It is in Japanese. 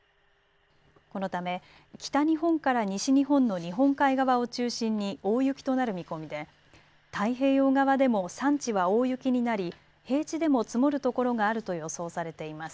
このため、北日本から西日本の日本海側を中心に大雪となる見込みで太平洋側でも山地は大雪になり平地でも積もる所があると予想されています。